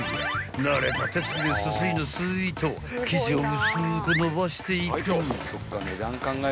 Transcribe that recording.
［慣れた手つきですすいのすいと生地を薄く延ばしていく］